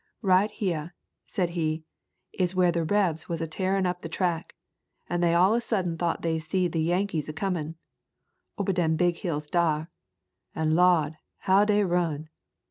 "Right heah," said he, "is where the Rebs was a tearin' up the track, and they all a sudden thought they seed the Yankees a comin', obah dem big hills dar, and Lo'd, how dey run."